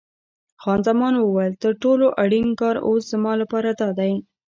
خان زمان وویل: تر ټولو اړین کار اوس زما لپاره دادی.